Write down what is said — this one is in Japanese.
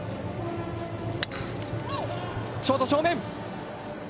ショート正面。